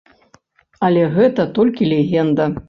Але гэта толькі легенда.